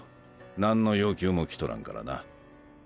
何の要求も来とらんからな。